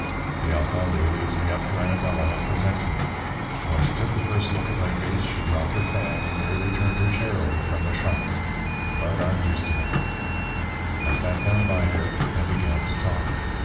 "The alcalde leads me up to Anabela and presents me. When she took the first look at my face she dropped her fan and nearly turned her chair over from the shock. But I'm used to that. "I sat down by her, and began to talk.